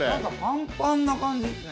パンパンな感じっすね。